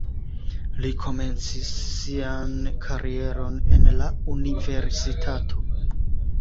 Li komencis sian karieron en la universitato.